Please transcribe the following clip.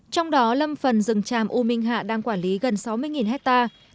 trong đó lâm phần rừng tràm u minh hạ đang quản lý gần sáu mươi hectare